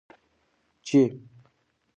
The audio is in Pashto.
چې: